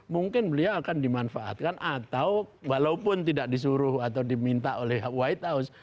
mungkin beliau akan dimanfaatkan atau walaupun tidak disuruh atau diminta oleh white house